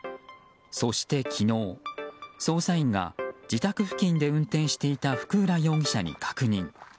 そして昨日、捜査員が自宅付近で運転していた福浦容疑者に確認。